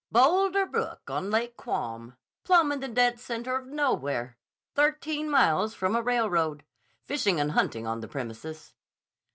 "Boulder Brook on Lake Quam. Plumb in the dead center of nowhere. Thirteen miles from a railroad. Fishing and hunting on the premises."